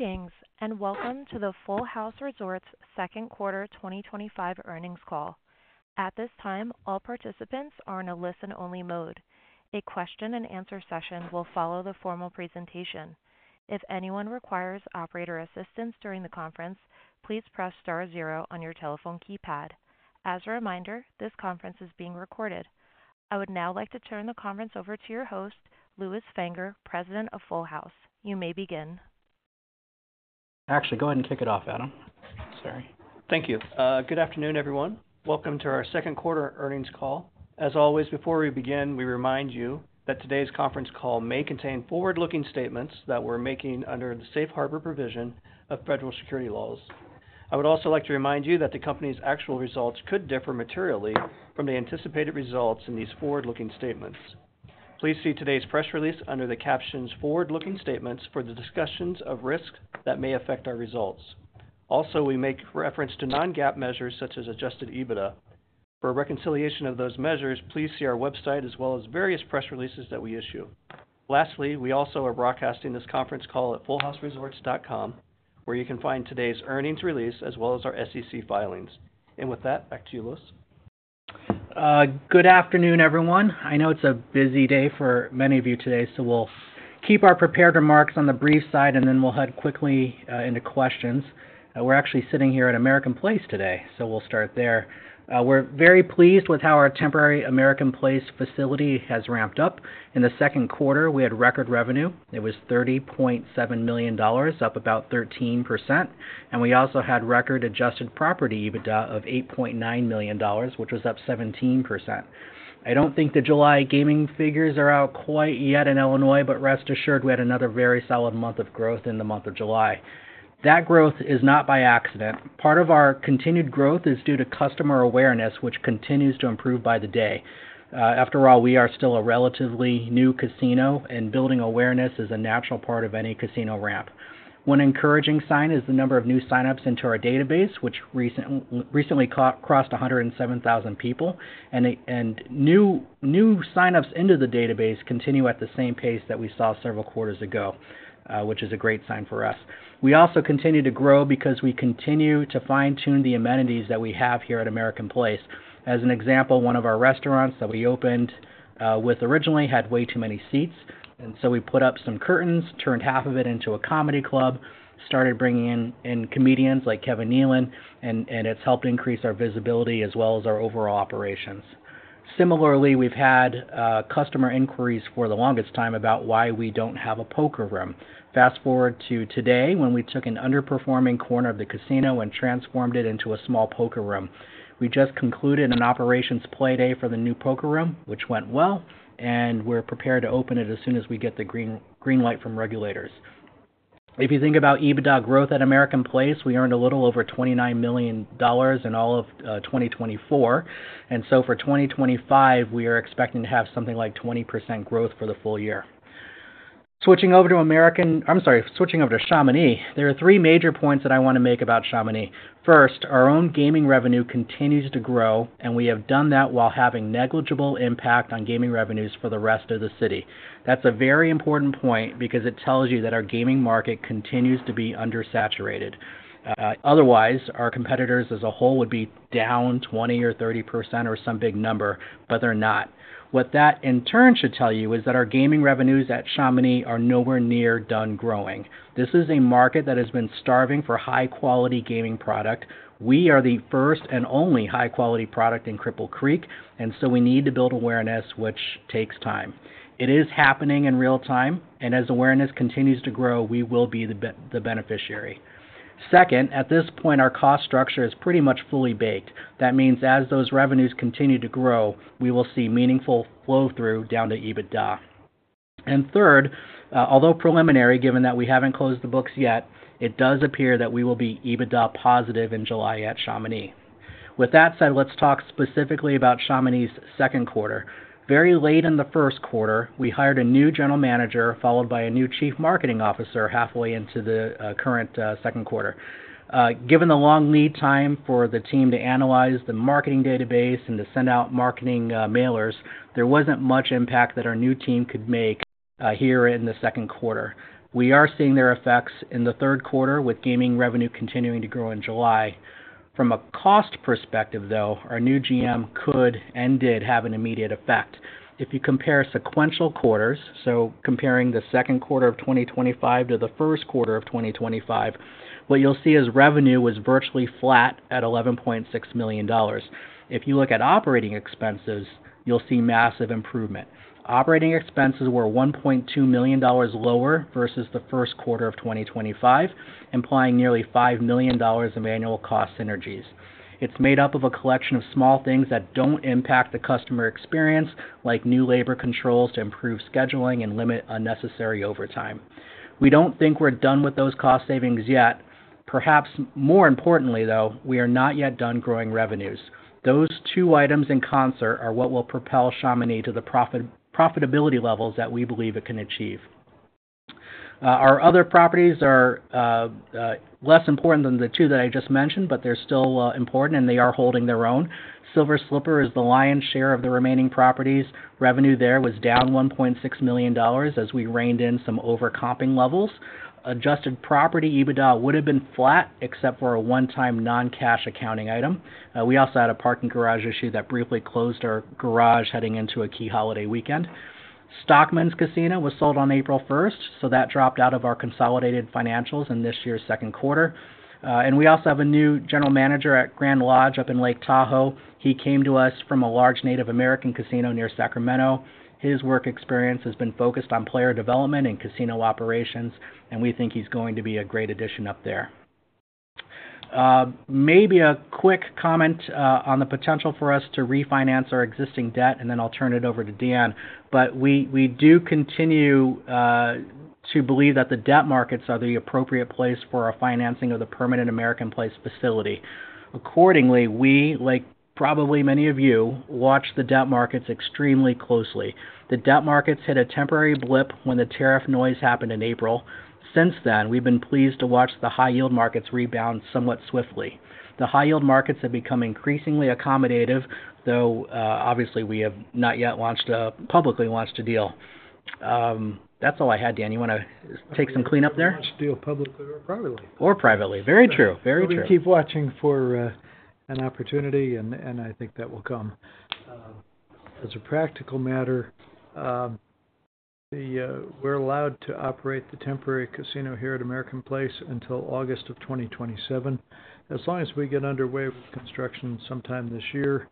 Meetings, and welcome to the Full House Resorts' second quarter 2025 earnings call. At this time, all participants are in a listen-only mode. A question and answer session will follow the formal presentation. If anyone requires operator assistance during the conference, please press star zero on your telephone keypad. As a reminder, this conference is being recorded. I would now like to turn the conference over to your host, Lewis Fanger, President of Full House Resorts. You may begin. Go ahead and kick it off, Adam. Sorry. Thank you. Good afternoon, everyone. Welcome to our second quarter earnings call. As always, before we begin, we remind you that today's conference call may contain forward-looking statements that we're making under the Safe Harbor provision of federal security laws. I would also like to remind you that the company's actual results could differ materially from the anticipated results in these forward-looking statements. Please see today's press release under the captions "Forward-Looking Statements for the Discussions of Risk that May Affect Our Results." Also, we make reference to non-GAAP measures such as adjusted EBITDA. For reconciliation of those measures, please see our website as well as various press releases that we issue. Lastly, we also are broadcasting this conference call at fullhouseresorts.com, where you can find today's earnings release as well as our SEC filings. With that, back to you, Lewis. Good afternoon, everyone. I know it's a busy day for many of you today, so we'll keep our prepared remarks on the brief side, and then we'll head quickly into questions. We're actually sitting here at American Place today, so we'll start there. We're very pleased with how our temporary American Place facility has ramped up. In the second quarter, we had record revenue. It was $30.7 million, up about 13%. We also had record adjusted property EBITDA of $8.9 million, which was up 17%. I don't think the July gaming figures are out quite yet in Illinois, but rest assured we had another very solid month of growth in the month of July. That growth is not by accident. Part of our continued growth is due to customer awareness, which continues to improve by the day. After all, we are still a relatively new casino, and building awareness is a natural part of any casino ramp. One encouraging sign is the number of new signups into our database, which recently crossed 107,000 people. New signups into the database continue at the same pace that we saw several quarters ago, which is a great sign for us. We also continue to grow because we continue to fine-tune the amenities that we have here at American Place. As an example, one of our restaurants that we opened with originally had way too many seats, so we put up some curtains, turned half of it into a comedy club, started bringing in comedians like Kevin Nealon, and it's helped increase our visibility as well as our overall operations. Similarly, we've had customer inquiries for the longest time about why we don't have a poker room. Fast forward to today when we took an underperforming corner of the casino and transformed it into a small poker room. We just concluded an operations play day for the new poker room, which went well, and we're prepared to open it as soon as we get the green light from regulators. If you think about EBITDA growth at American Place, we earned a little over $29 million in all of 2024. For 2025, we are expecting to have something like 20% growth for the full year. Switching over to Chamonix. There are three major points that I want to make about Chamonix. First, our own gaming revenue continues to grow, and we have done that while having negligible impact on gaming revenues for the rest of the city. That's a very important point because it tells you that our gaming market continues to be undersaturated. Otherwise, our competitors as a whole would be down 20% or 30% or some big number, but they're not. What that in turn should tell you is that our gaming revenues at Chamonix are nowhere near done growing. This is a market that has been starving for high-quality gaming product. We are the first and only high-quality product in Cripple Creek, and we need to build awareness, which takes time. It is happening in real time, and as awareness continues to grow, we will be the beneficiary. Second, at this point, our cost structure is pretty much fully baked. That means as those revenues continue to grow, we will see meaningful flow-through down to EBITDA. Third, although preliminary, given that we haven't closed the books yet, it does appear that we will be EBITDA positive in July at Chamonix. With that said, let's talk specifically about Chamonix's second quarter. Very late in the first quarter, we hired a new General Manager followed by a new Chief Marketing Officer halfway into the current second quarter. Given the long lead time for the team to analyze the marketing database and to send out marketing mailers, there wasn't much impact that our new team could make here in the second quarter. We are seeing their effects in the third quarter with gaming revenue continuing to grow in July. From a cost perspective, though, our new GM could and did have an immediate effect. If you compare sequential quarters, so comparing the second quarter of 2025 to the first quarter of 2025, what you'll see is revenue was virtually flat at $11.6 million. If you look at operating expenses, you'll see massive improvement. Operating expenses were $1.2 million lower versus the first quarter of 2025, implying nearly $5 million in annual cost synergies. It's made up of a collection of small things that don't impact the customer experience, like new labor controls to improve scheduling and limit unnecessary overtime. We don't think we're done with those cost savings yet. Perhaps more importantly, though, we are not yet done growing revenues. Those two items in concert are what will propel Chamonix to the profitability levels that we believe it can achieve. Our other properties are less important than the two that I just mentioned, but they're still important and they are holding their own. Silver Slipper is the lion's share of the remaining properties. Revenue there was down $1.6 million as we reined in some overcomping levels. Adjusted property EBITDA would have been flat except for a one-time non-cash accounting item. We also had a parking garage issue that briefly closed our garage heading into a key holiday weekend. Stockman's Casino was sold on April 1, so that dropped out of our consolidated financials in this year's second quarter. We also have a new General Manager at Grand Lodge Casino up in Lake Tahoe. He came to us from a large Native American casino near Sacramento. His work experience has been focused on player development and casino operations, and we think he's going to be a great addition up there. Maybe a quick comment on the potential for us to refinance our existing debt, and then I'll turn it over to Dan. We do continue to believe that the debt markets are the appropriate place for our financing of the permanent American Place facility. Accordingly, we, like probably many of you, watch the debt markets extremely closely. The debt markets hit a temporary blip when the tariff noise happened in April. Since then, we've been pleased to watch the high-yield markets rebound somewhat swiftly. The high-yield markets have become increasingly accommodative, though obviously we have not yet publicly launched a deal. That's all I had, Dan. You want to take some cleanup there? Launch a deal publicly or privately. Very true. Very true. We keep watching for an opportunity, and I think that will come. As a practical matter, we're allowed to operate the temporary casino here at American Place until August of 2027. As long as we get underway with construction sometime this year,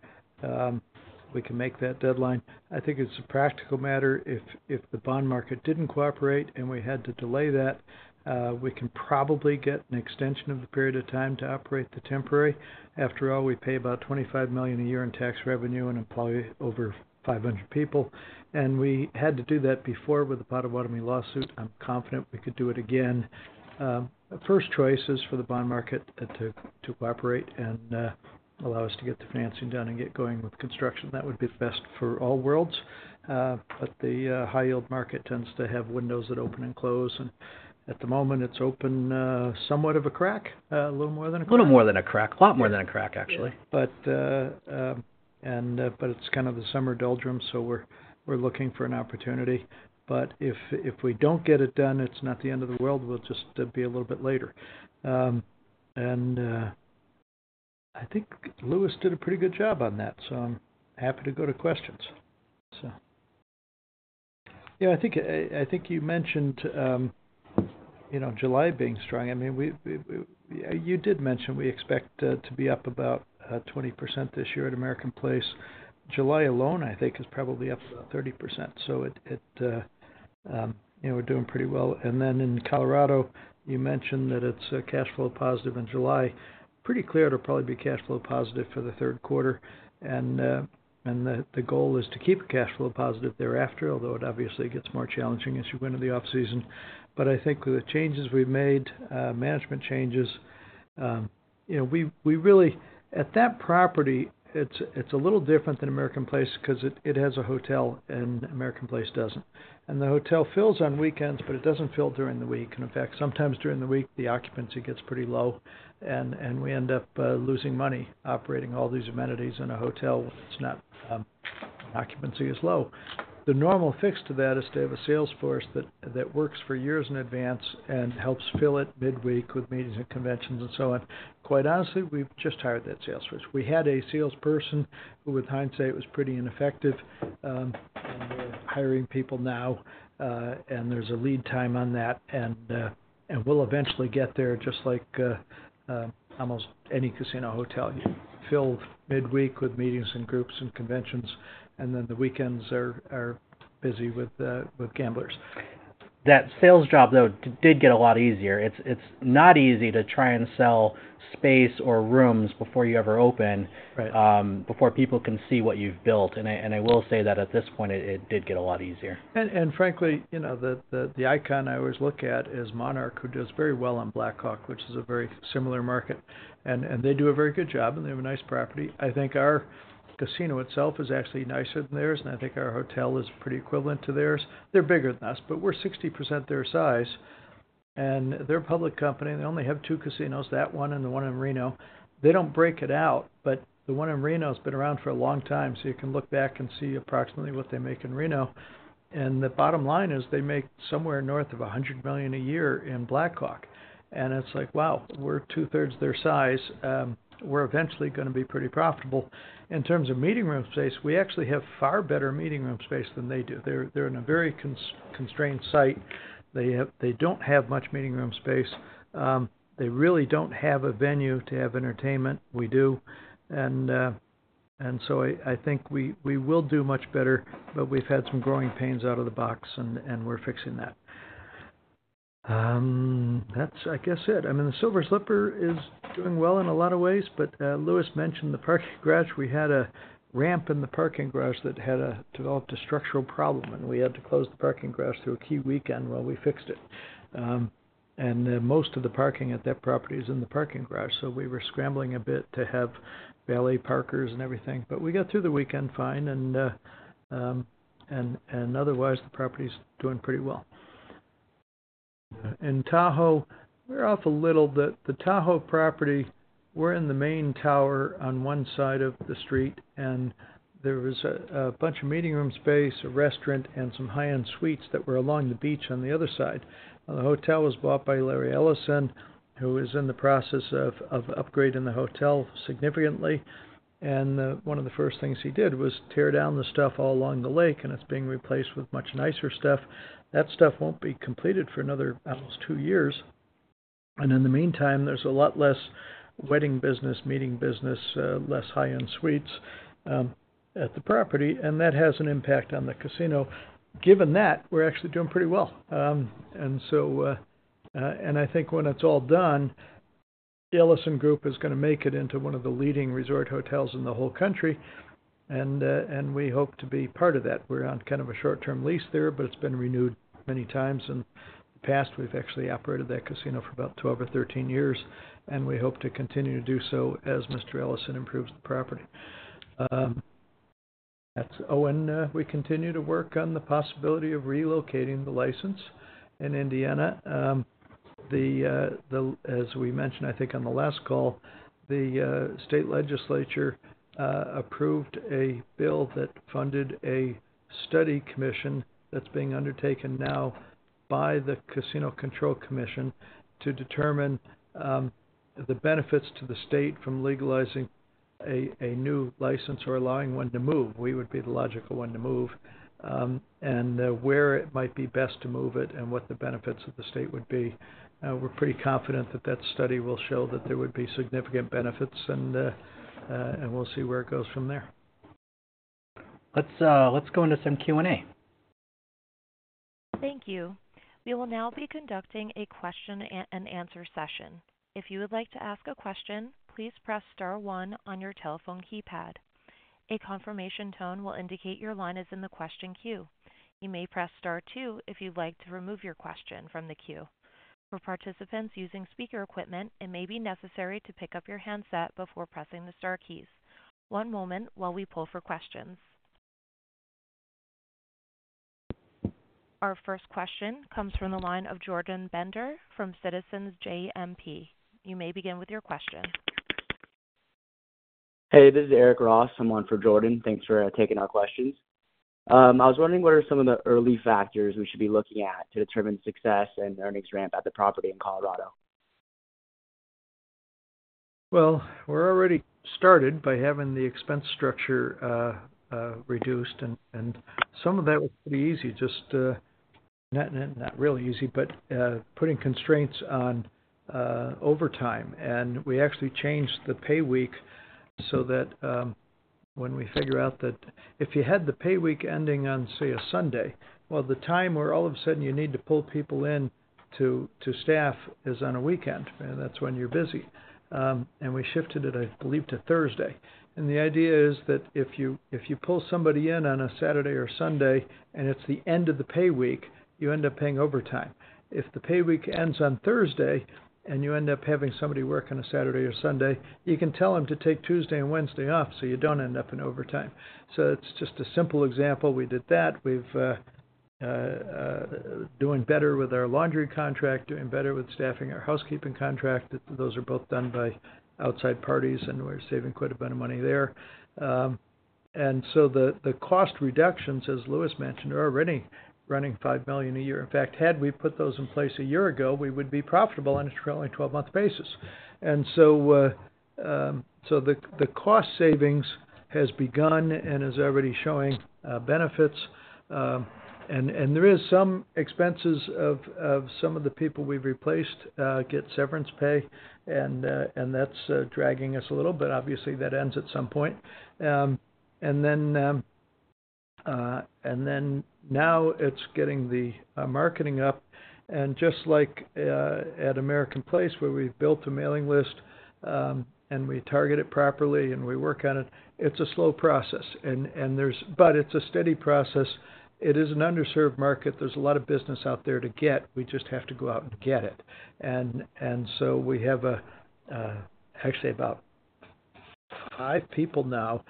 we can make that deadline. I think as a practical matter if the bond market didn't cooperate and we had to delay that, we can probably get an extension of the period of time to operate the temporary. After all, we pay about $25 million a year in tax revenue and employ over 500 people. We had to do that before with the Potawatomi lawsuit. I'm confident we could do it again. The first choice is for the bond market to cooperate and allow us to get the financing done and get going with construction. That would be best for all worlds. The high-yield market tends to have windows that open and close. At the moment, it's open somewhat of a crack, a little more than a crack. A lot more than a crack, actually. It's kind of the summer doldrums, so we're looking for an opportunity. If we don't get it done, it's not the end of the world. We'll just be a little bit later. I think Lewis did a pretty good job on that, so I'm happy to go to questions. I think you mentioned July being strong. You did mention we expect to be up about 20% this year at American Place. July alone, I think, is probably up about 30%. We're doing pretty well. In Colorado, you mentioned that it's cash flow positive in July. Pretty clear to probably be cash flow positive for the third quarter. The goal is to keep it cash flow positive thereafter, although it obviously gets more challenging as you go into the off season. I think with the changes we've made, management changes, at that property, it's a little different than American Place because it has a hotel and American Place doesn't. The hotel fills on weekends, but it doesn't fill during the week. In fact, sometimes during the week, the occupancy gets pretty low. We end up losing money operating all these amenities in a hotel when the occupancy is low. The normal fix to that is to have a sales force that works for years in advance and helps fill it midweek with meetings and conventions and so on. Quite honestly, we've just hired that sales force. We had a salesperson who, with hindsight, was pretty ineffective. We're hiring people now. There's a lead time on that. We'll eventually get there, just like almost any casino hotel, filled midweek with meetings and groups and conventions. The weekends are busy with gamblers. That sales job, though, did get a lot easier. It's not easy to try and sell space or rooms before you ever open, before people can see what you've built. I will say that at this point, it did get a lot easier. Frankly, the icon I always look at is Monarch, who does very well on Blackhawk, which is a very similar market. They do a very good job, and they have a nice property. I think our casino itself is actually nicer than theirs. I think our hotel is pretty equivalent to theirs. They're bigger than us, but we're 60% their size. They're a public company. They only have two casinos, that one and the one in Reno. They don't break it out, but the one in Reno has been around for a long time, so you can look back and see approximately what they make in Reno. The bottom line is they make somewhere north of $100 million a year in Blackhawk. It's like, wow, we're two-thirds their size. We're eventually going to be pretty profitable. In terms of meeting room space, we actually have far better meeting room space than they do. They're in a very constrained site. They don't have much meeting room space. They really don't have a venue to have entertainment. We do. I think we will do much better, but we've had some growing pains out of the box, and we're fixing that. That's it. The Silver Slipper Casino and Hotel is doing well in a lot of ways, but Lewis mentioned the parking garage. We had a ramp in the parking garage that had developed a structural problem, and we had to close the parking garage through a key weekend while we fixed it. Most of the parking at that property is in the parking garage, so we were scrambling a bit to have valet parkers and everything. We got through the weekend fine, and otherwise, the property's doing pretty well. In Tahoe, we're off a little bit. The Tahoe property, we're in the main tower on one side of the street, and there was a bunch of meeting room space, a restaurant, and some high-end suites that were along the beach on the other side. The hotel was bought by Larry Ellison, who is in the process of upgrading the hotel significantly. One of the first things he did was tear down the stuff all along the lake, and it's being replaced with much nicer stuff. That stuff won't be completed for another almost two years. In the meantime, there's a lot less wedding business, meeting business, less high-end suites at the property, and that has an impact on the casino. Given that, we're actually doing pretty well. I think when it's all done, Ellison Group is going to make it into one of the leading resort hotels in the whole country, and we hope to be part of that. We're on kind of a short-term lease there, but it's been renewed many times. In the past, we've actually operated that casino for about 12 or 13 years, and we hope to continue to do so as Mr. Ellison improves the property. We continue to work on the possibility of relocating the license in Indiana. As we mentioned, I think on the last call, the state legislature approved a bill that funded a study commission that's being undertaken now by the Casino Control Commission to determine the benefits to the state from legalizing a new license or allowing one to move. We would be the logical one to move. It will determine where it might be best to move it and what the benefits to the state would be. We're pretty confident that that study will show that there would be significant benefits, and we'll see where it goes from there. Let's go into some Q&A. Thank you. We will now be conducting a question and answer session. If you would like to ask a question, please press star one on your telephone keypad. A confirmation tone will indicate your line is in the question queue. You may press star two if you'd like to remove your question from the queue. For participants using speaker equipment, it may be necessary to pick up your handset before pressing the star keys. One moment while we pull for questions. Our first question comes from the line of Jordan Bender from Citizens. You may begin with your question. Hey, this is Eric Ross. I'm on for Jordan. Thanks for taking our questions. I was wondering, what are some of the early factors we should be looking at to determine success in an earnings ramp at the property in Colorado? We're already started by having the expense structure reduced, and some of that will be easy, just not really easy, but putting constraints on overtime. We actually changed the pay week so that when we figure out that if you had the pay week ending on, say, a Sunday, the time where all of a sudden you need to pull people in to staff is on a weekend. That's when you're busy. We shifted it, I believe, to Thursday. The idea is that if you pull somebody in on a Saturday or Sunday and it's the end of the pay week, you end up paying overtime. If the pay week ends on Thursday and you end up having somebody work on a Saturday or Sunday, you can tell them to take Tuesday and Wednesday off so you don't end up in overtime. It's just a simple example. We did that. We're doing better with our laundry contract, doing better with staffing our housekeeping contract. Those are both done by outside parties, and we're saving quite a bit of money there. The cost reductions, as Lewis mentioned, are already running $5 million a year. In fact, had we put those in place a year ago, we would be profitable on a 12-month basis. The cost savings have begun and are already showing benefits. There are some expenses of some of the people we've replaced get severance pay, and that's dragging us a little, but obviously that ends at some point. Now it's getting the marketing up. Just like at American Place, where we've built a mailing list and we target it properly and we work on it, it's a slow process. It's a steady process. It is an underserved market. There's a lot of business out there to get. We just have to go out and get it. We have actually about five people now.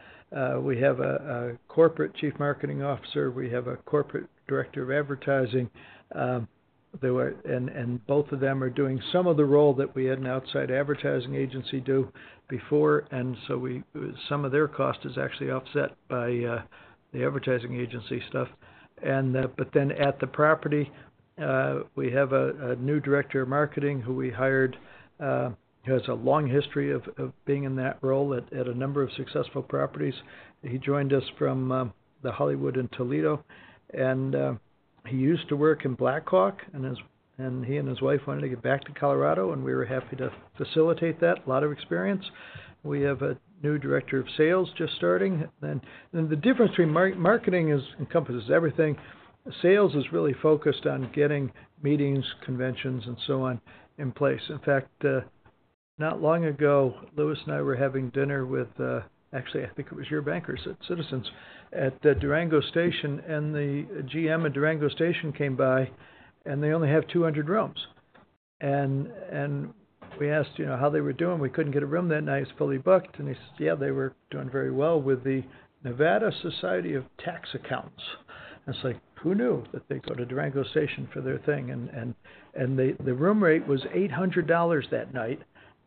We have a Corporate Chief Marketing Officer. We have a Corporate Director of Advertising. Both of them are doing some of the role that we had an outside advertising agency do before. Some of their cost is actually offset by the advertising agency stuff. At the property, we have a new Director of Marketing who we hired, who has a long history of being in that role at a number of successful properties. He joined us from the Hollywood in Toledo. He used to work in Blackhawk, and he and his wife wanted to get back to Colorado, and we were happy to facilitate that. A lot of experience. We have a new Director of Sales just starting. The difference between marketing encompasses everything. Sales is really focused on getting meetings, conventions, and so on in place. In fact, not long ago, Lewis and I were having dinner with, actually, I think it was your bankers at Citizens at Durango Station. The GM at Durango Station came by, and they only have 200 rooms. We asked how they were doing. We couldn't get a room that night. It was fully booked. He said, "Yeah, they were doing very well with the Nevada Society of Tax Accountants." I was like, "Who knew that they'd go to Durango Station for their thing?" The room rate was $800 that night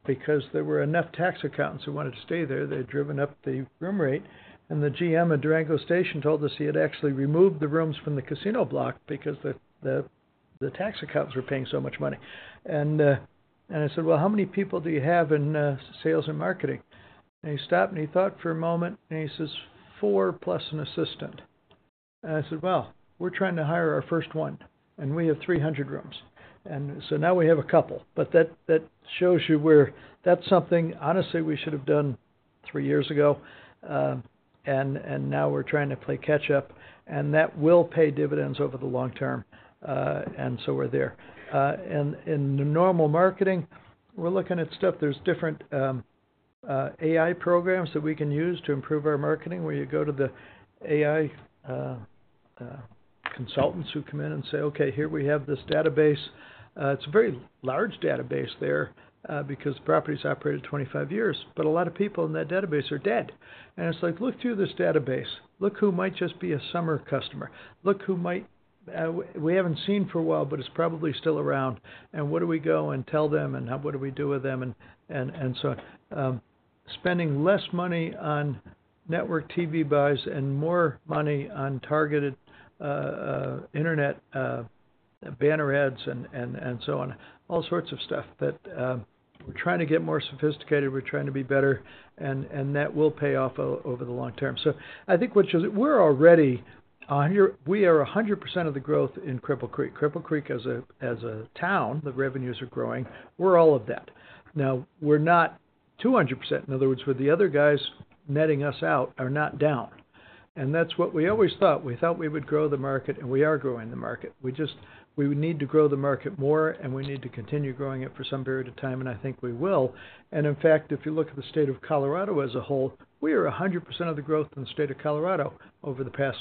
because there were enough tax accountants who wanted to stay there. They had driven up the room rate. The GM at Durango Station told us he had actually removed the rooms from the casino block because the tax accountants were paying so much money. I said, "How many people do you have in sales and marketing?" He stopped and thought for a moment, and he says, "Four plus an assistant." I said, "We're trying to hire our first one, and we have 300 rooms." Now we have a couple. That shows you where that's something, honestly, we should have done three years ago. Now we're trying to play catch-up. That will pay dividends over the long term. We're there. In the normal marketing, we're looking at stuff. There are different AI programs that we can use to improve our marketing where you go to the AI consultants who come in and say, "Okay, here we have this database." It's a very large database there because the property's operated 25 years. A lot of people in that database are dead. It's like, "Look through this database. Look who might just be a summer customer. Look who might, we haven't seen for a while, but is probably still around. What do we go and tell them and what do we do with them?" Spending less money on network TV buys and more money on targeted internet banner ads and so on, all sorts of stuff that we're trying to get more sophisticated. We're trying to be better. That will pay off over the long term. I think what you'll see, we're already on your, we are 100% of the growth in Cripple Creek. Cripple Creek as a town, the revenues are growing. We're all of that. We're not 200%. In other words, with the other guys netting us out, are not down. That's what we always thought. We thought we would grow the market, and we are growing the market. We just need to grow the market more, and we need to continue growing it for some period of time, and I think we will. In fact, if you look at the state of Colorado as a whole, we are 100% of the growth in the state of Colorado over the past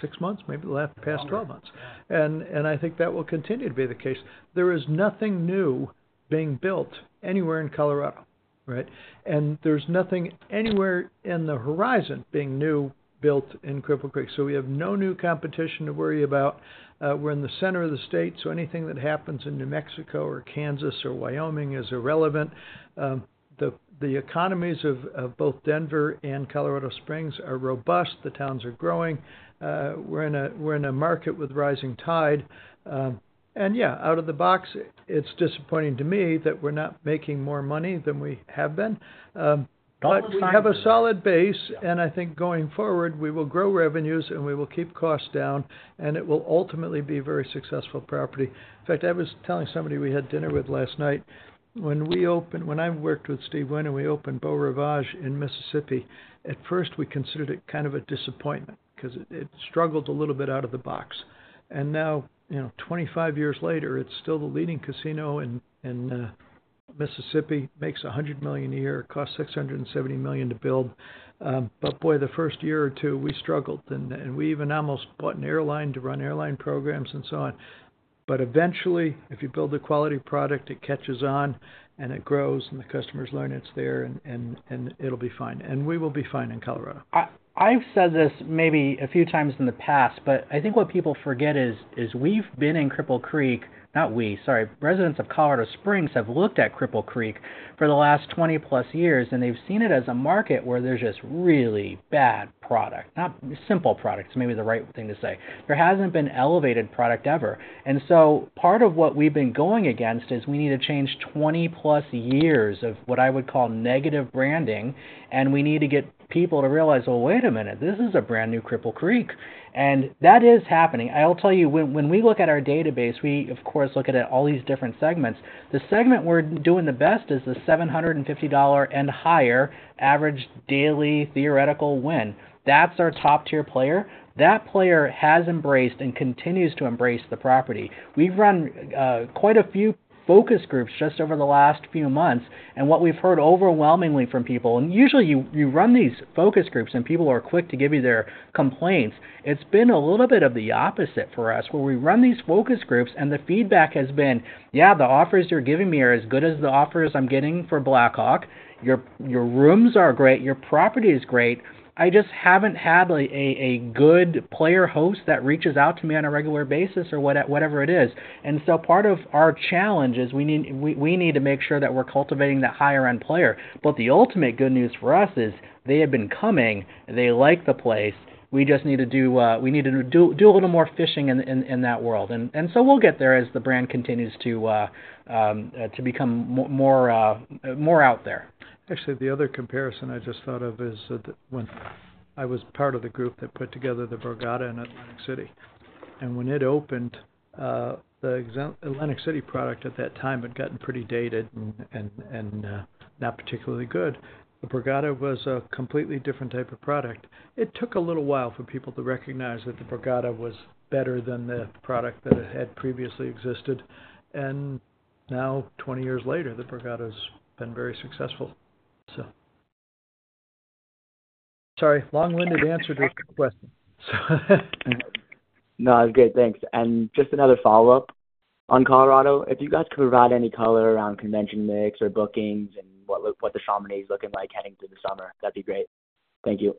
six months, maybe the last past 12 months. I think that will continue to be the case. There is nothing new being built anywhere in Colorado, right? There is nothing anywhere in the horizon being new built in Cripple Creek. We have no new competition to worry about. We're in the center of the state, so anything that happens in New Mexico or Kansas or Wyoming is irrelevant. The economies of both Denver and Colorado Springs are robust. The towns are growing. We're in a market with rising tide. Out of the box, it's disappointing to me that we're not making more money than we have been. We have a solid base, and I think going forward, we will grow revenues and we will keep costs down, and it will ultimately be a very successful property. In fact, I was telling somebody we had dinner with last night. When we opened, when I worked with Steve Wynn and we opened Beau Rivage in Mississippi, at first we considered it kind of a disappointment because it struggled a little bit out of the box. Now, you know, 25 years later, it's still the leading casino in Mississippi, makes $100 million a year, costs $670 million to build. The first year or two, we struggled. We even almost bought an airline to run airline programs and so on. Eventually, if you build a quality product, it catches on and it grows and the customers learn it's there and it'll be fine. We will be fine in Colorado. I've said this maybe a few times in the past, but I think what people forget is we've been in Cripple Creek, not we, sorry, residents of Colorado Springs have looked at Cripple Creek for the last 20-plus years, and they've seen it as a market where there's just really bad product. Not simple product is maybe the right thing to say. There hasn't been elevated product ever. Part of what we've been going against is we need to change 20-plus years of what I would call negative branding, and we need to get people to realize, wait a minute, this is a brand new Cripple Creek. That is happening. I'll tell you, when we look at our database, we, of course, look at all these different segments. The segment we're doing the best is the $750 and higher average daily theoretical win. That's our top-tier player. That player has embraced and continues to embrace the property. We've run quite a few focus groups just over the last few months. What we've heard overwhelmingly from people, and usually you run these focus groups and people are quick to give you their complaints, it's been a little bit of the opposite for us where we run these focus groups and the feedback has been, "Yeah, the offers you're giving me are as good as the offers I'm getting for Blackhawk. Your rooms are great. Your property is great. I just haven't had a good player host that reaches out to me on a regular basis or whatever it is." Part of our challenge is we need to make sure that we're cultivating that higher-end player. The ultimate good news for us is they have been coming. They like the place. We just need to do a little more fishing in that world. We'll get there as the brand continues to become more out there. Actually, the other comparison I just thought of is when I was part of the group that put together the Borgata in Atlantic City. When it opened, the Atlantic City product at that time had gotten pretty dated and not particularly good. The Borgata was a completely different type of product. It took a little while for people to recognize that the Borgata was better than the product that had previously existed. Now, 20 years later, the Borgata's been very successful. Sorry, long-winded answer to the question. No, that was great. Thanks. Just another follow-up on Colorado. If you guys could provide any color around convention mix or bookings and what the Chamonix is looking like heading into the summer, that'd be great. Thank you.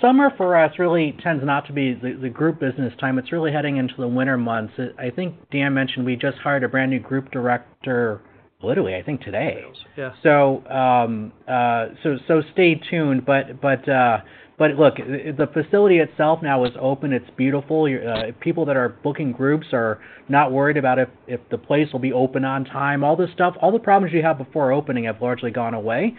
Summer for us really tends not to be the group business time. It's really heading into the winter months. I think Dan mentioned we just hired a brand new Group Director, literally, I think today. Yeah. Stay tuned. The facility itself now is open. It's beautiful. People that are booking groups are not worried about if the place will be open on time. All the stuff, all the problems you had before opening have largely gone away.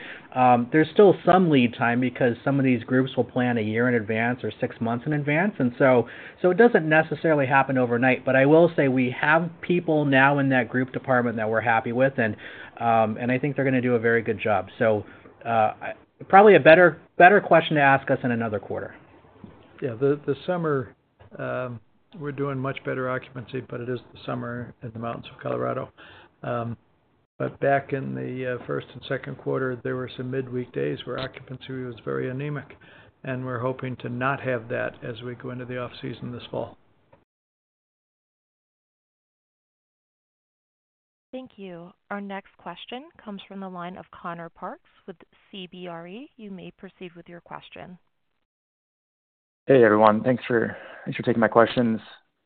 There's still some lead time because some of these groups will plan a year in advance or six months in advance. It doesn't necessarily happen overnight. I will say we have people now in that group department that we're happy with, and I think they're going to do a very good job. Probably a better question to ask us in another quarter. Yeah, the summer, we're doing much better occupancy, but it is the summer in the mountains of Colorado. Back in the first and second quarter, there were some midweek days where occupancy was very anemic. We're hoping to not have that as we go into the off season this fall. Thank you. Our next question comes from the line of Connor Parks with CBRE. You may proceed with your question. Hey everyone, thanks for taking my questions.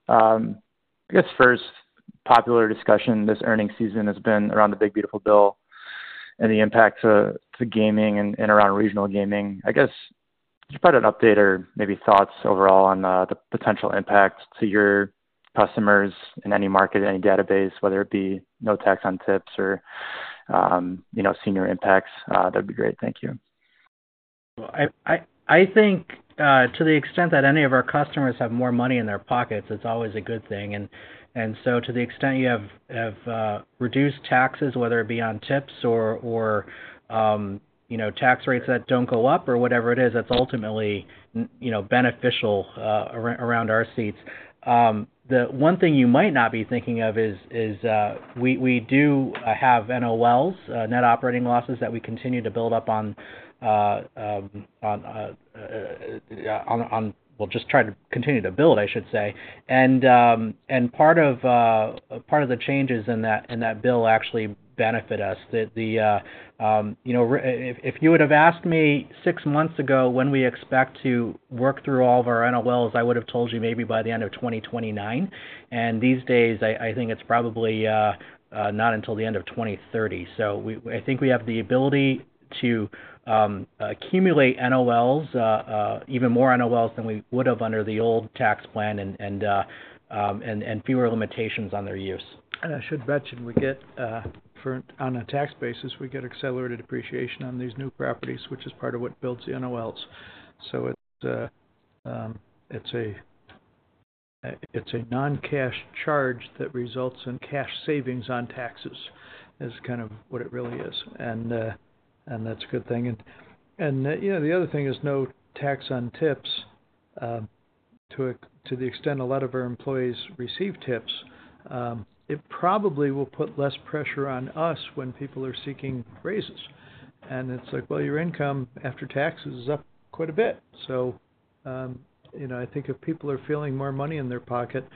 First, popular discussion this earnings season has been around the Big Beautiful Bill and the impact to gaming and around regional gaming. Could you provide an update or maybe thoughts overall on the potential impact to your customers in any market, any database, whether it be no tax on tips or senior impacts? That'd be great. Thank you. I think to the extent that any of our customers have more money in their pockets, it's always a good thing. To the extent you have reduced taxes, whether it be on tips or tax rates that don't go up or whatever it is that's ultimately beneficial around our seats, the one thing you might not be thinking of is we do have NOLs, net operating losses, that we continue to build up on, just try to continue to build, I should say. Part of the changes in that bill actually benefit us. If you would have asked me six months ago when we expect to work through all of our NOLs, I would have told you maybe by the end of 2029. These days, I think it's probably not until the end of 2030. I think we have the ability to accumulate NOLs, even more NOLs than we would have under the old tax plan and fewer limitations on their use. I should mention we get, on a tax basis, accelerated appreciation on these new properties, which is part of what builds the NOLs. It is a non-cash charge that results in cash savings on taxes, is kind of what it really is. That is a good thing. The other thing is no tax on tips. To the extent a lot of our employees receive tips, it probably will put less pressure on us when people are seeking raises. It is like, your income after taxes is up quite a bit. I think if people are feeling more money in their pocket,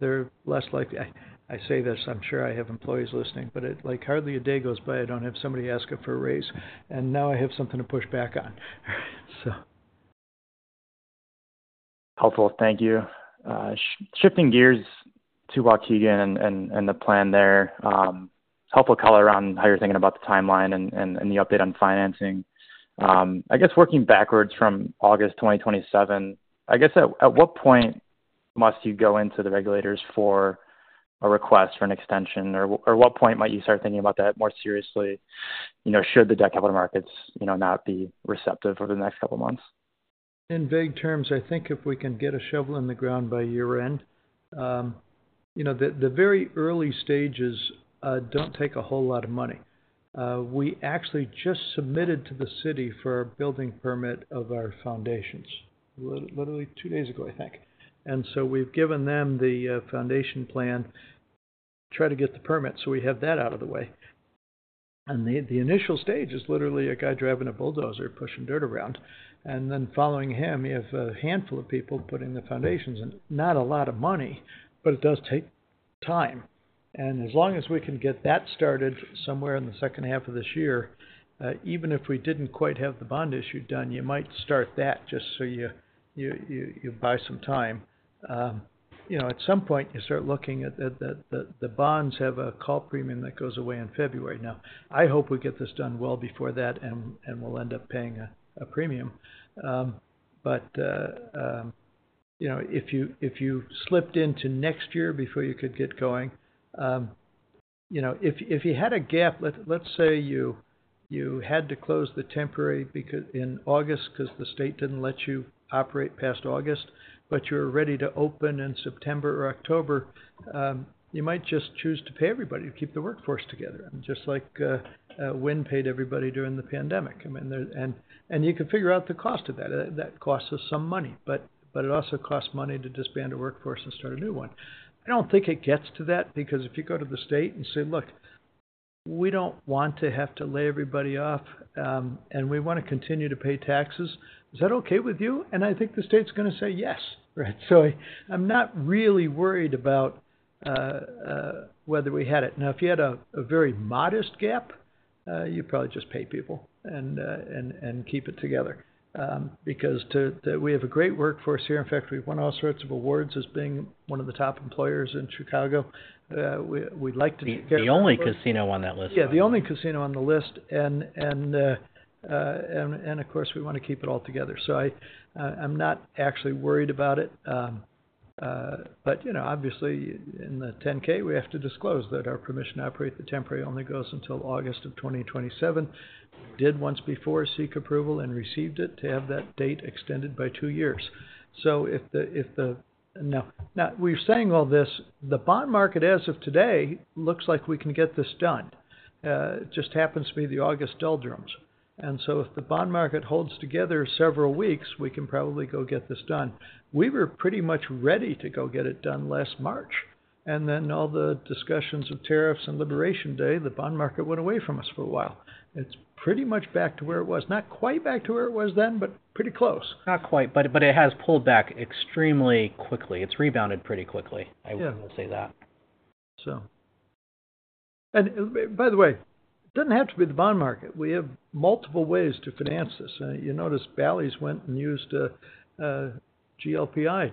they are less likely. I say this, I am sure I have employees listening, but hardly a day goes by I do not have somebody asking for a raise. Now I have something to push back on. Thank you. Shifting gears to Waukegan and the plan there, helpful color around how you're thinking about the timeline and the update on financing. I guess working backwards from August 2027, at what point must you go into the regulators for a request for an extension, or at what point might you start thinking about that more seriously? Should the debt capital markets not be receptive over the next couple of months? In vague terms, I think if we can get a shovel in the ground by year-end, the very early stages do not take a whole lot of money. We actually just submitted to the city for a building permit of our foundations, literally two days ago, I think. We have given them the foundation plan to try to get the permit so we have that out of the way. The initial stage is literally a guy driving a bulldozer, pushing dirt around, and then following him, you have a handful of people putting the foundations. Not a lot of money, but it does take time. As long as we can get that started somewhere in the second half of this year, even if we did not quite have the bond issue done, you might start that just so you buy some time. At some point, you start looking at the bonds have a call premium that goes away in February now. I hope we get this done well before that and we will end up paying a premium. If you slipped into next year before you could get going, if you had a gap, let's say you had to close the temporary in August because the state did not let you operate past August, but you were ready to open in September or October, you might just choose to pay everybody to keep the workforce together. Just like Wynn paid everybody during the pandemic. You can figure out the cost of that. That costs us some money, but it also costs money to disband a workforce and start a new one. I do not think it gets to that because if you go to the state and you say, "Look, we do not want to have to lay everybody off and we want to continue to pay taxes, is that okay with you?" I think the state's going to say, "Yes." I am not really worried about whether we had it. If you had a very modest gap, you would probably just pay people and keep it together because we have a great workforce here. In fact, we have won all sorts of awards as being one of the top employers in Chicago. The only casino on that list. Yeah, the only casino on the list. Of course, we want to keep it all together. I'm not actually worried about it. Obviously, in the 10-K, we have to disclose that our permission to operate the temporary only goes until August of 2027. We did once before seek approval and received it to have that date extended by two years. Now, we're saying all this, the bond market as of today looks like we can get this done. It just happens to be the August doldrums. If the bond market holds together several weeks, we can probably go get this done. We were pretty much ready to go get it done last March. Then all the discussions of tariffs and Liberation Day, the bond market went away from us for a while. It's pretty much back to where it was. Not quite back to where it was then, but pretty close. Not quite, but it has pulled back extremely quickly. It's rebounded pretty quickly. I will say that. By the way, it doesn't have to be the bond market. We have multiple ways to finance this. You notice Bally's went and used GLPI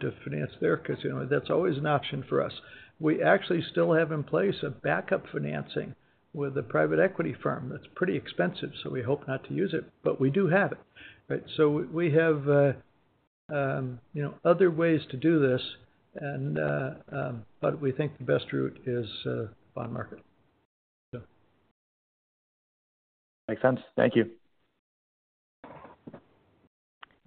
to finance their casino. That's always an option for us. We actually still have in place a backup financing with a private equity firm that's pretty expensive, so we hope not to use it, but we do have it. We have other ways to do this, but we think the best route is bond market. Makes sense. Thank you.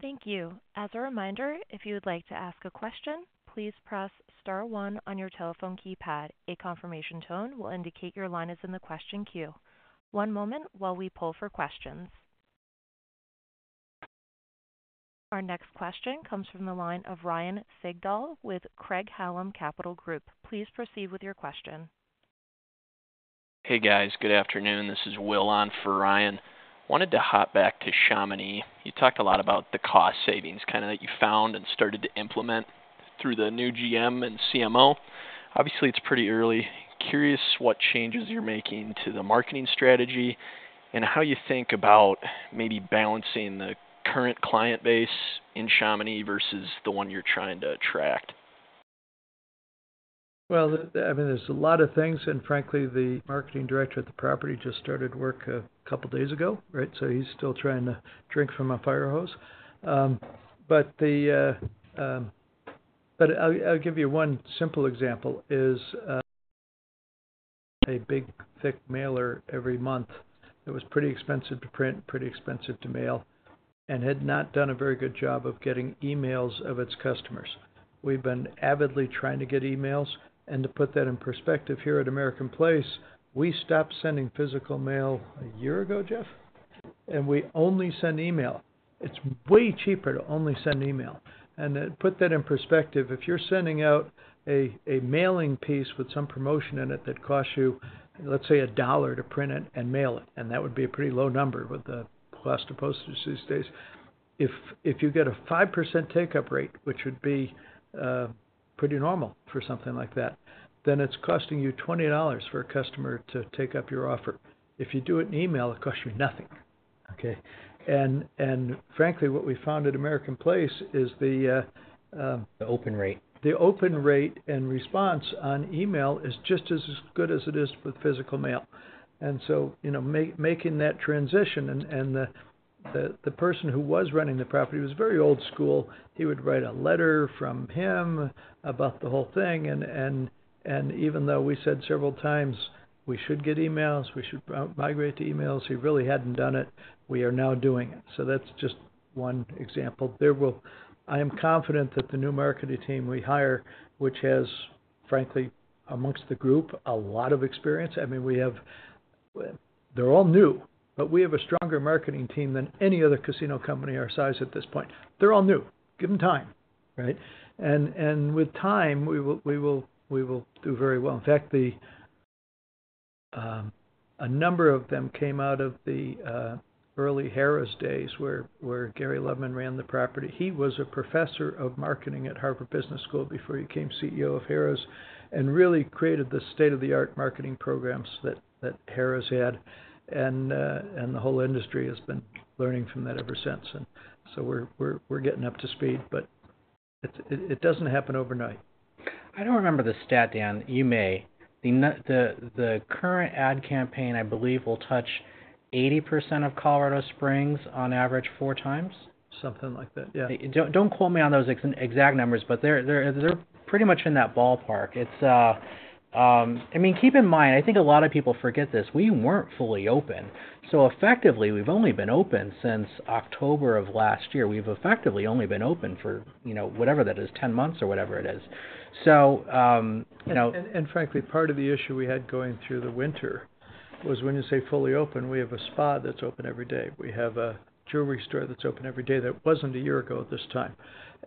Thank you. As a reminder, if you would like to ask a question, please press star one on your telephone keypad. A confirmation tone will indicate your line is in the question queue. One moment while we pull for questions. Our next question comes from the line of Ryan Sigdahl with Craig-Hallum Capital Group. Please proceed with your question. Hey guys, good afternoon. This is Will on for Ryan. Wanted to hop back to Chamonix. You talked a lot about the cost savings that you found and started to implement through the new GM and CMO. Obviously, it's pretty early. Curious what changes you're making to the marketing strategy and how you think about maybe balancing the current client base in Chamonix versus the one you're trying to attract. There are a lot of things, and frankly, the Marketing Director at the property just started work a couple of days ago, right? He's still trying to drink from a firehose. I'll give you one simple example: a big thick mailer every month that was pretty expensive to print and pretty expensive to mail and had not done a very good job of getting emails of its customers. We've been avidly trying to get emails, and to put that in perspective, here at American Place, we stopped sending physical mail a year ago, Jeff, and we only send email. It's way cheaper to only send email. To put that in perspective, if you're sending out a mailing piece with some promotion in it that costs you, let's say, $1 to print it and mail it, and that would be a pretty low number with the cost of postage these days. If you get a 5% takeup rate, which would be pretty normal for something like that, then it's costing you $20 for a customer to take up your offer. If you do it in email, it costs you nothing. Frankly, what we found at American Place is the. Open rate. The open rate and response on email is just as good as it is with physical mail. Making that transition, and the person who was running the property was very old school. He would write a letter from him about the whole thing. Even though we said several times we should get emails, we should migrate to emails, he really hadn't done it, we are now doing it. That's just one example. I am confident that the new marketing team we hire, which has, frankly, amongst the group, a lot of experience. I mean, we have, they're all new, but we have a stronger marketing team than any other casino company our size at this point. They're all new. Give them time, right? With time, we will do very well. In fact, a number of them came out of the early Harrah's days where Gary Loveman ran the property. He was a Professor of Marketing at Harvard Business School before he became CEO of Harrah's and really created the state-of-the-art marketing programs that Harrah's had. The whole industry has been learning from that ever since. We're getting up to speed, but it doesn't happen overnight. I don't remember the stat, Dan. You may. The current ad campaign, I believe, will touch 80% of Colorado Springs on average four times. Something like that, yeah. Don't quote me on those exact numbers, but they're pretty much in that ballpark. I mean, keep in mind, I think a lot of people forget this. We weren't fully open. Effectively, we've only been open since October of last year. We've effectively only been open for, you know, whatever that is, 10 months or whatever it is. Frankly, part of the issue we had going through the winter was when you say fully open, we have a spa that's open every day. We have a jewelry store that's open every day that wasn't a year ago at this time.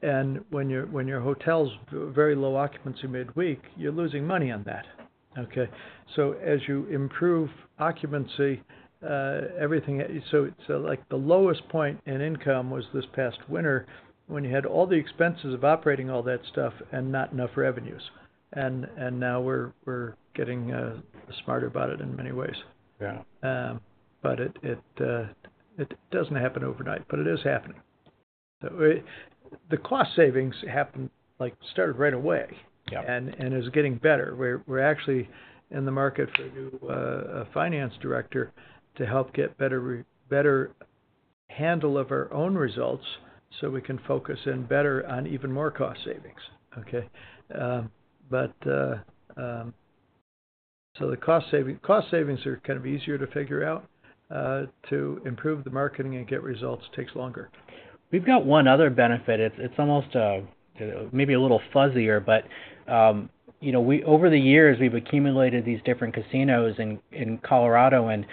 When your hotel's very low occupancy midweek, you're losing money on that. As you improve occupancy, everything, like the lowest point in income was this past winter when you had all the expenses of operating all that stuff and not enough revenues. Now we're getting smarter about it in many ways. It doesn't happen overnight, but it is happening. The cost savings started right away and are getting better. We're actually in the market for the new finance director to help get a better handle of our own results so we can focus in better on even more cost savings. The cost savings are kind of easier to figure out. To improve the marketing and get results takes longer. We've got one other benefit. It's almost maybe a little fuzzier, but you know, over the years, we've accumulated these different casinos in Colorado, and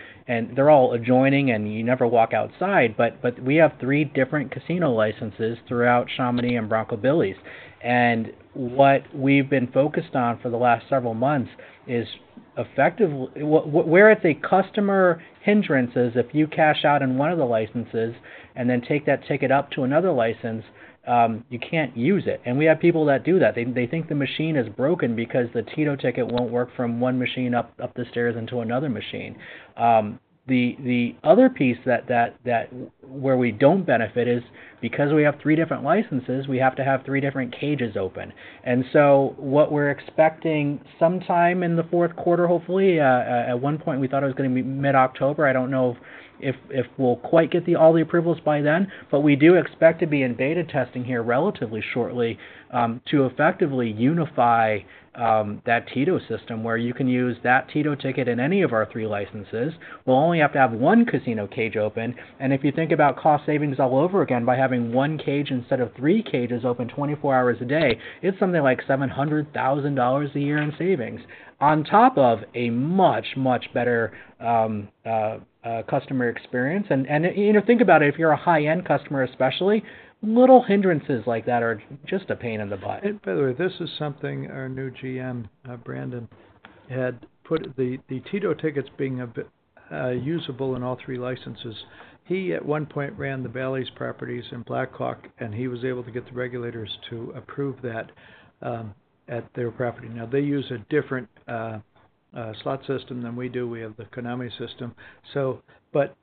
they're all adjoining, and you never walk outside. We have three different casino licenses throughout Chamonix and Bronco Billy's Casino and Hotel. What we've been focused on for the last several months is effectively where it's a customer hindrance is if you cash out in one of the licenses and then take that ticket up to another license, you can't use it. We have people that do that. They think the machine is broken because the TITO ticket won't work from one machine up the stairs into another machine. The other piece where we don't benefit is because we have three different licenses, we have to have three different cages open. We are expecting sometime in the fourth quarter, hopefully, at one point we thought it was going to be mid-October. I don't know if we'll quite get all the approvals by then, but we do expect to be in beta testing here relatively shortly to effectively unify that TITO system where you can use that TITO ticket in any of our three licenses. We'll only have to have one casino cage open. If you think about cost savings all over again, by having one cage instead of three cages open 24 hours a day, it's something like $700,000 a year in savings, on top of a much, much better customer experience. You know, think about it, if you're a high-end customer especially, little hindrances like that are just a pain in the butt. By the way, this is something our new GM, Brandon, had put, the Tito tickets being usable in all three licenses. He at one point ran the Bally's properties in Blackhawk, and he was able to get the regulators to approve that at their property. They use a different slot system than we do. We have the Konami system.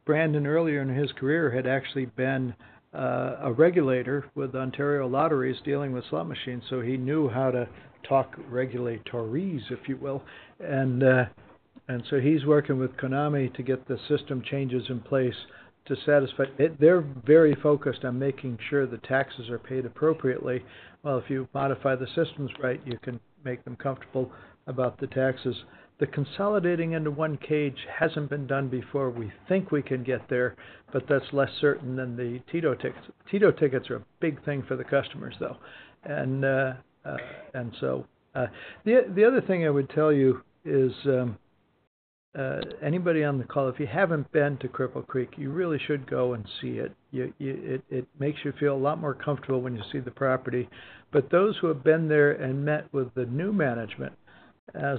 Brandon, earlier in his career, had actually been a regulator with Ontario Lotteries dealing with slot machines. He knew how to talk regulatorys, if you will. He is working with Konami to get the system changes in place to satisfy. They are very focused on making sure the taxes are paid appropriately. If you modify the systems right, you can make them comfortable about the taxes. The consolidating into one cage has not been done before. We think we can get there, but that is less certain than the Tito tickets. Tito tickets are a big thing for the customers, though. The other thing I would tell you is anybody on the call, if you have not been to Cripple Creek, you really should go and see it. It makes you feel a lot more comfortable when you see the property. Those who have been there and met with the new management,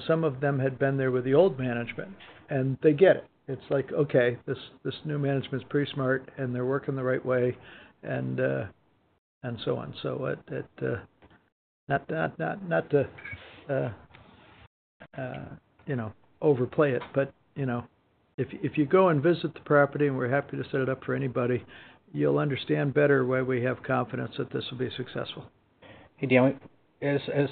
some of them had been there with the old management, and they get it. It is like, okay, this new management is pretty smart, and they are working the right way, and so on. Not to overplay it, if you go and visit the property, and we are happy to set it up for anybody, you will understand better why we have confidence that this will be successful. Hey, Dan,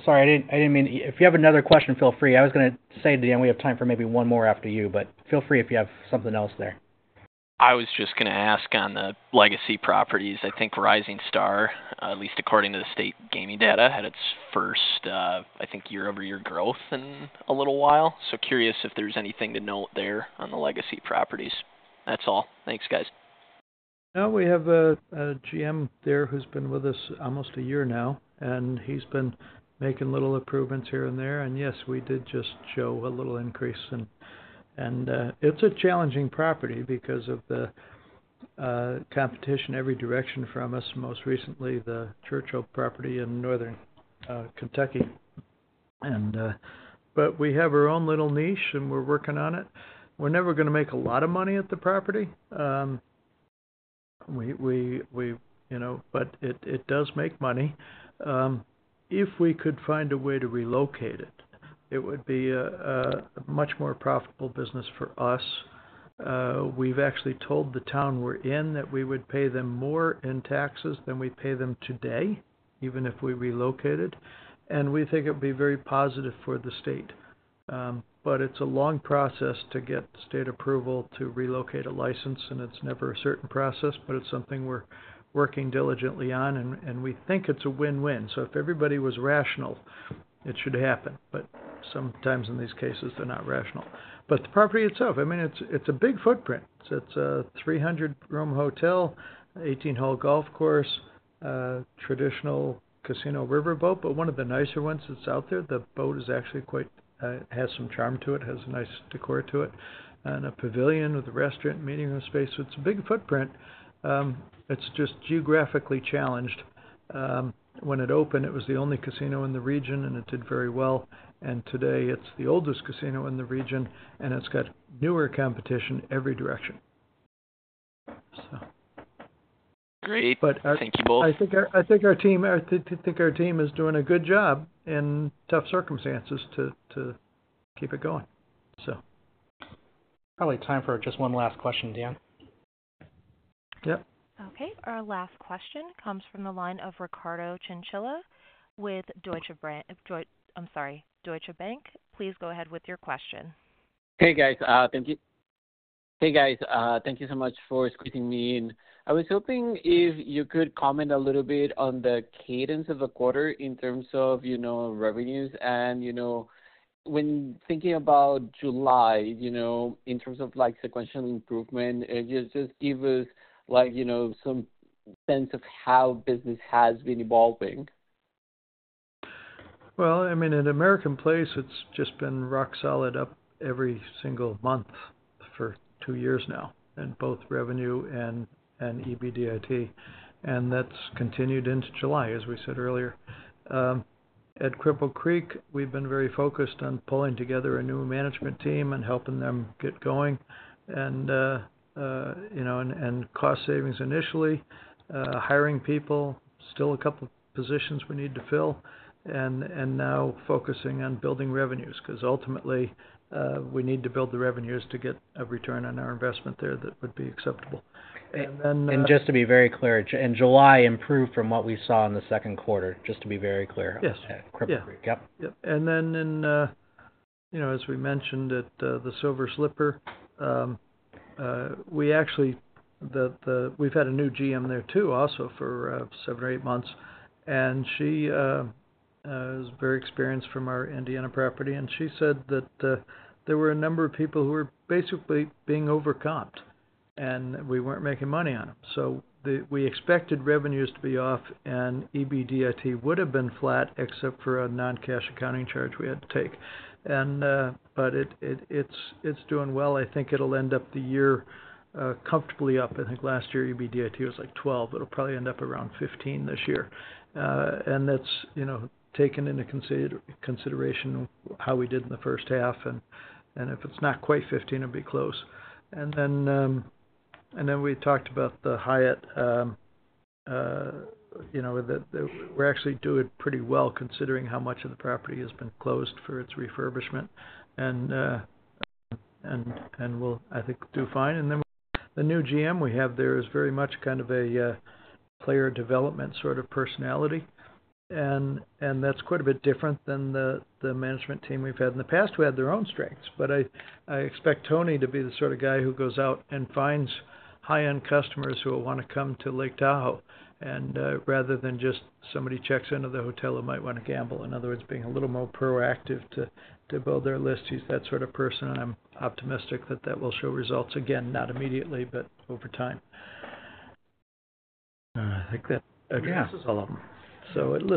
sorry, I didn't mean, if you have another question, feel free. I was going to say to Dan, we have time for maybe one more after you. Feel free if you have something else there. I was just going to ask on the legacy properties. I think Rising Star, at least according to the state gaming data, had its first, I think, year-over-year growth in a little while. Curious if there's anything to note there on the legacy properties. That's all. Thanks, guys. Now we have a GM there who's been with us almost a year now, and he's been making little improvements here and there. Yes, we did just show a little increase. It's a challenging property because of the competition every direction from us, most recently the Churchill property in Northern Kentucky. We have our own little niche, and we're working on it. We're never going to make a lot of money at the property, but it does make money. If we could find a way to relocate it, it would be a much more profitable business for us. We've actually told the town we're in that we would pay them more in taxes than we pay them today, even if we relocated. We think it'd be very positive for the state. It's a long process to get state approval to relocate a license, and it's never a certain process, but it's something we're working diligently on. We think it's a win-win. If everybody was rational, it should happen. Sometimes in these cases, they're not rational. The property itself, I mean, it's a big footprint. It's a 300-room hotel, 18-hole golf course, traditional casino riverboat, but one of the nicer ones that's out there. The boat has some charm to it, has a nice decor to it, and a pavilion with a restaurant meeting room space. It's a big footprint. It's just geographically challenged. When it opened, it was the only casino in the region, and it did very well. Today, it's the oldest casino in the region, and it's got newer competition every direction. Great. Thank you both. I think our team is doing a good job in tough circumstances to keep it going. Probably time for just one last question, Dan. Yep. Okay. Our last question comes from the line of Ricardo Chinchilla with Deutsche Bank. Please go ahead with your question. Thank you so much for speaking to me. I was hoping if you could comment a little bit on the cadence of the quarter in terms of revenues. When thinking about July in terms of sequential improvement, could you give us some sense of how business has been evolving? At American Place, it's just been rock solid, up every single month for two years now in both revenue and EBITDA. That's continued into July, as we said earlier. At Cripple Creek, we've been very focused on pulling together a new management team and helping them get going. Cost savings initially, hiring people, still a couple of positions we need to fill, and now focusing on building revenues because ultimately, we need to build the revenues to get a return on our investment there that would be acceptable. In July, improved from what we saw in the second quarter, just to be very clear. Yes. Cripple Creek. Yep. In, you know, as we mentioned at the Silver Slipper Casino and Hotel, we've had a new GM there also for seven or eight months. She is very experienced from our Indiana property, and she said that there were a number of people who were basically being overcomped, and we weren't making money on them. We expected revenues to be off, and EBITDA would have been flat except for a non-cash accounting charge we had to take. It's doing well. I think it'll end up the year comfortably up. I think last year EBITDA was like $12 million. It'll probably end up around $15 million this year, and that's, you know, taken into consideration how we did in the first half. If it's not quite $15 million, it'll be close. We talked about the Hyatt, you know, that we're actually doing pretty well considering how much of the property has been closed for its refurbishment. We'll, I think, do fine. The new GM we have there is very much kind of a player development sort of personality, and that's quite a bit different than the management team we've had in the past who had their own strengths. I expect Tony to be the sort of guy who goes out and finds high-end customers who will want to come to Lake Tahoe, rather than just somebody who checks into the hotel who might want to gamble. In other words, being a little more proactive to build their list. He's that sort of person, and I'm optimistic that that will show results again, not immediately, but over time. I think that addresses all of them.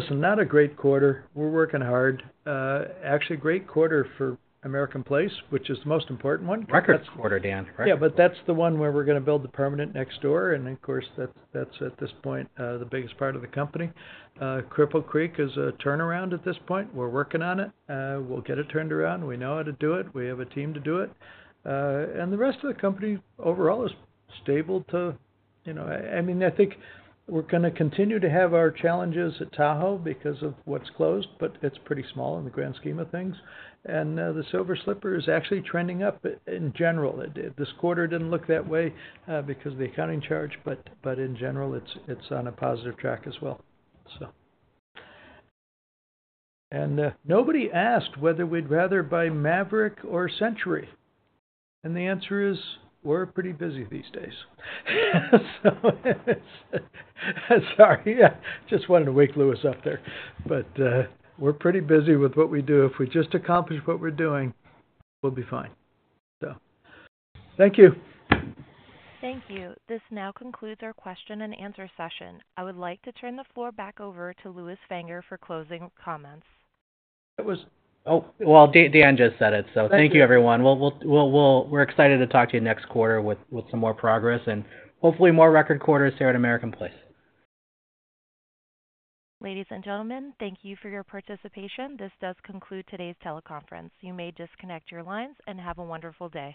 Not a great quarter. We're working hard. Actually, a great quarter for American Place, which is the most important one. That's quarter, Dan, correct? Yeah, but that's the one where we're going to build the permanent next door. Of course, that's at this point the biggest part of the company. Cripple Creek is a turnaround at this point. We're working on it. We'll get it turned around. We know how to do it. We have a team to do it. The rest of the company overall is stable to, you know, I mean, I think we're going to continue to have our challenges at Tahoe because of what's closed, but it's pretty small in the grand scheme of things. The Silver Slipper is actually trending up in general. This quarter didn't look that way because of the accounting charge, but in general, it's on a positive track as well. Nobody asked whether we'd rather buy Maverick or Century. The answer is we're pretty busy these days. Sorry, I just wanted to wake Lewis up there. We're pretty busy with what we do. If we just accomplish what we're doing, we'll be fine. Thank you. Thank you. This now concludes our question and answer session. I would like to turn the floor back over to Lewis Fanger for closing comments. Thank you, everyone. We're excited to talk to you next quarter with some more progress and hopefully more record quarters here at American Place. Ladies and gentlemen, thank you for your participation. This does conclude today's teleconference. You may disconnect your lines and have a wonderful day.